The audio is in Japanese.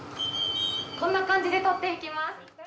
こんな感じで撮っていきます